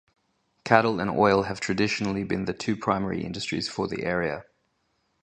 Cattle and oil have traditionally been the two primary industries for the area.